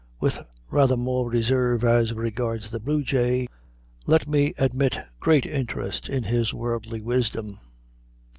With rather more reserve as regards the bluejay, let me admit great interest in his worldly wisdom.